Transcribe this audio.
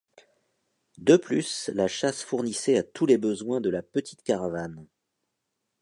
De plus, la chasse fournissait à tous les besoins de la petite caravane.